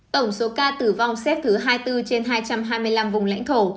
tổng số ca tử vong xếp thứ hai mươi bốn trên hai trăm hai mươi năm vùng lãnh thổ